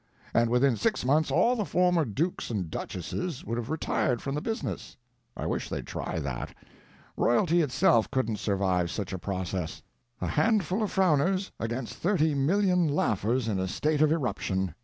And within six months all the former dukes and duchesses would have retired from the business. I wish they'd try that. Royalty itself couldn't survive such a process. A handful of frowners against thirty million laughers in a state of irruption.